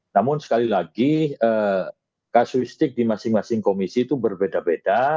namun sekali lagi kasuistik di masing masing komisi itu berbeda beda